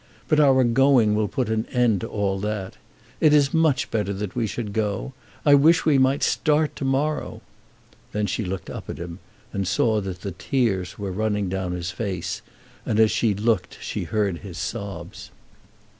But our going will put an end to all that. It is much better that we should go. I wish we might start to morrow." Then she looked up at him, and saw that the tears were running down his face, and as she looked she heard his sobs.